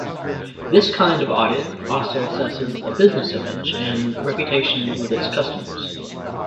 This kind of audit also assesses a business' image and reputation with its customers.